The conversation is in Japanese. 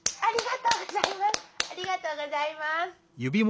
ありがとうございます。